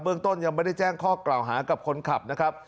เรื่องต้นยังไม่ได้แจ้งข้อกล่าวหากับคนขับนะครับ